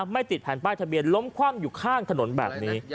ไม่ติดภัณฑ์ท็าเบียนล้มคว่ำอยู่ข้างถนนบั่งนี้